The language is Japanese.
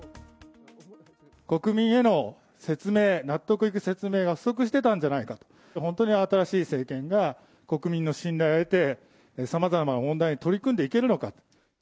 国民への説明、納得いく説明が不足してたんじゃないかと、本当に新しい政権が国民の信頼を得て、さまざまな問題に取り組んでいけるのか。